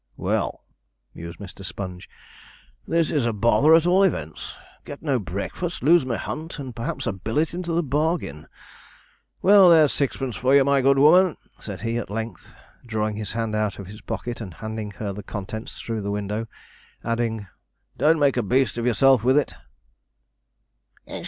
'Well,' mused Mr. Sponge, 'this is a bother, at all events; get no breakfast, lose my hunt, and perhaps a billet into the bargain. Well, there's sixpence for you, my good woman,' said he at length, drawing his hand out of his pocket and handing her the contents through the window; adding, 'don't make a beast of yourself with it.'